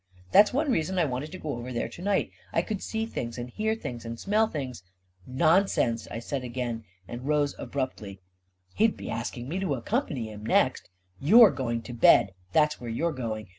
That's one reason I wanted to go over there to night — I could see things and hear things and smell things ..•"" Nonsense 1 " I said again, and rose abruptly — he'd be asking me to accompany him, next I " You're going to bed — that's where you're going.